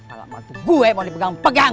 alamat tuh gue mau dipegang pegang